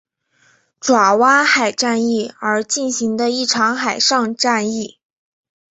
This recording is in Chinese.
爪哇海战役而进行的一场海上战役。